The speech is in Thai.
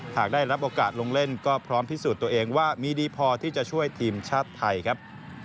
หากได้รับโอกาสลงเล่นก็พร้อมพิสูจน์ตัวเองว่ามีดีพอที่จะช่วยทีมชาติไทยครับ